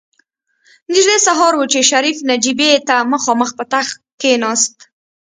نژدې سهار و چې شريف نجيبې ته مخامخ په تخت کېناست.